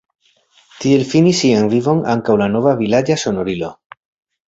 Tiel finis sian vivon ankaŭ la nova vilaĝa sonorilo.